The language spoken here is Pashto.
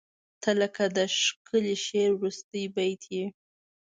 • ته لکه د ښکلي شعر وروستی بیت یې.